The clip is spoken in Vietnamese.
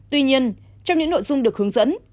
tuy nhiên trong những nội dung được hướng dẫn